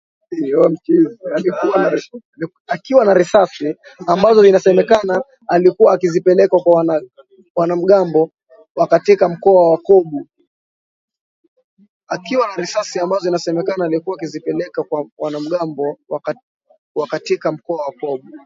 akiwa na risasi ambazo inasemekana alikuwa akizipeleka kwa wanamgambo wa katika mkoa wa Kobu